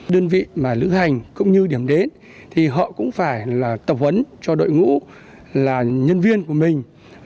đơn vị mà lữ hành cũng như điểm đến thì họ cũng phải là tập huấn cho đội ngũ là nhân viên của mình